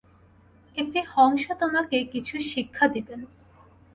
একটি হংস তোমাকে কিছু শিক্ষা দিবেন।